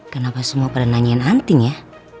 kenapa semua pada nanyain anting ya